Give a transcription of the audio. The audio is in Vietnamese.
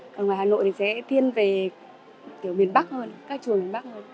còn ngoài hà nội thì sẽ thiên về kiểu miền bắc hơn các trường miền bắc hơn